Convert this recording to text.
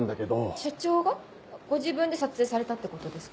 ご自分で撮影されたってことですか？